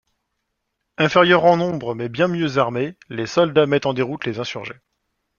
Inférieurs en nombre mais bien mieux armés, les soldats mettent en déroute les insurgés.